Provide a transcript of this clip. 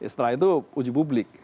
setelah itu uji publik